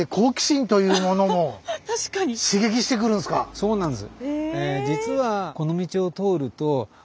そうなんです。